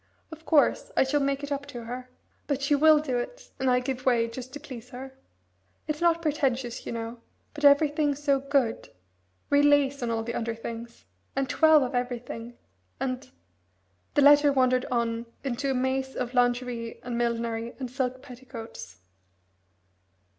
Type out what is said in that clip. Of course, I shall make it up to her; but she will do it, and I give way, just to please her. It's not pretentious, you know, but everything so good. Real lace on all the under things, and twelve of everything, and " The letter wandered on into a maze of lingerie and millinery and silk petticoats.